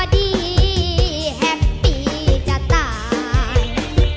ดีแฮปปี้จะตาย